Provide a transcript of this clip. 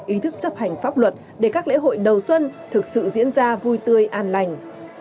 ý thức chấp hành pháp luật để các lễ hội đầu xuân thực sự diễn ra vui tươi an lành